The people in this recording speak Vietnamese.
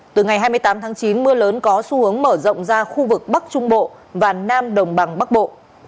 từ ngày hai mươi tám tháng chín mưa lớn có xu hướng mở rộng ra khu vực bắc trung bộ và nam đồng bằng bắc bộ